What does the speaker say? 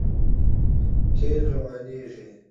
تېل روانېږي.